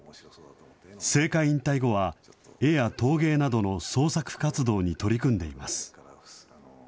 政界引退後は、絵や陶芸などの創作活動に取り組んでいます。